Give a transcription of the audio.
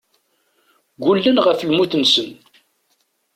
Ggullen ɣef lmut-nsen.